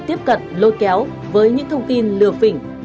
tiếp cận lôi kéo với những thông tin lừa phỉnh